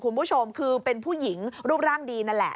คุณผู้ชมคือเป็นผู้หญิงรูปร่างดีนั่นแหละ